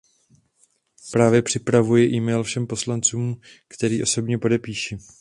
Právě připravuji e-mail všem poslancům, který osobně podepíši.